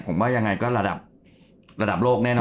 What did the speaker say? ผมว่ายังไงก็ระดับระดับโลกแน่นอน